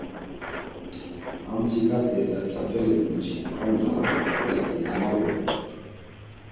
Ar mtsika do elaktsaperi minci kon na, zat̆i gamağuru dort̆u.